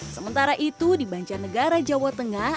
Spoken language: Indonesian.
sementara itu di banca negara jawa tengah